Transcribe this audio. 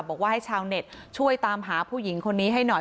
บอกว่าให้ชาวเน็ตช่วยตามหาผู้หญิงคนนี้ให้หน่อย